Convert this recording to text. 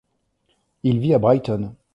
Il vit à Brighton.